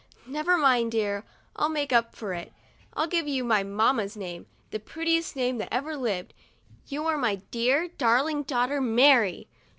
Never mind, dear, I'll make up for it. I'll give you my mamma's name — the prettiest name that ever lived. You're my dear, darling daughter Mary!"